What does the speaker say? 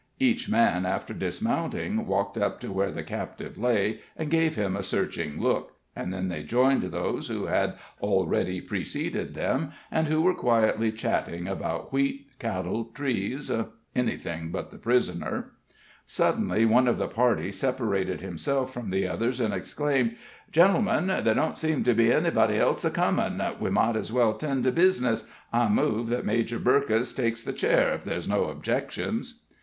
Each man, after dismounting, walked up to where the captive lay, and gave him a searching look, and then they joined those who had already preceded them, and who were quietly chatting about wheat, cattle, trees everything but the prisoner. Suddenly one of the party separated himself from the others, and exclaimed: "Gentlemen, there don't seem to be anybody else a comin' we might as well 'tend to bizness. I move that Major Burkess takes the chair, if there's no objections."